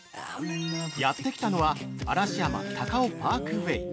やってきたのは嵐山−高雄パークウエイ。